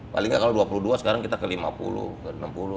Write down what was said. paling nggak kalau dua puluh dua sekarang kita ke lima puluh ke enam puluh